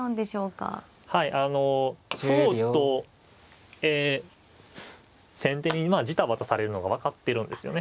あの歩を打つと先手にじたばたされるのが分かってるんですよね。